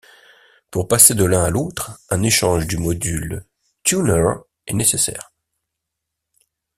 Pour passer de l'un à l'autre, un échange du module tuner est nécessaire.